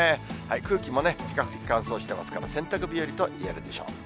空気もね、比較的乾燥してますから、洗濯日和といえるでしょう。